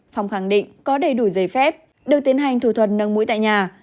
phong khẳng định có đầy đủ giấy phép được tiến hành thủ thuật nâng mũi tại nhà